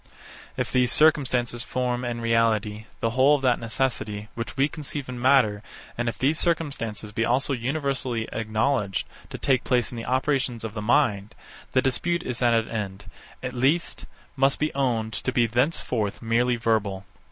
If these circumstances form, in reality, the whole of that necessity, which we conceive in matter, and if these circumstances be also universally acknowledged to take place in the operations of the mind, the dispute is at an end; at least, must be owned to be thenceforth merely verbal.